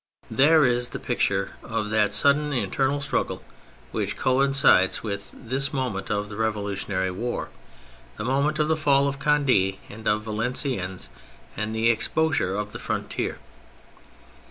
There is the picture of that sudden internal struggle which coincides with this moment of the revolutionary war, the moment of the fall of Cond6 and of Valenciennes, and the exposure of the frontier.